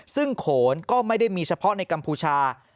ซึ่งโขนก็ไม่ได้มีเฉพาะในกัมพูชา